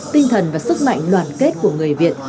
tinh thần và sức mạnh đoàn kết của người việt